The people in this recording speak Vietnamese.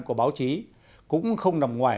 của báo chí cũng không nằm ngoài